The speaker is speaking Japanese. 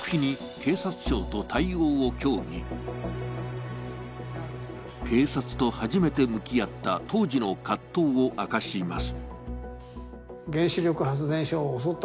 警察と初めて向き合った当時の葛藤を明かします。